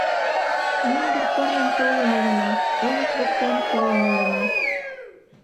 Мӱндыр корным толын улына, олык воктен толын улына